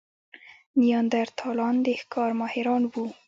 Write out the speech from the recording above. نیاندرتالان د ښکار ماهران وو.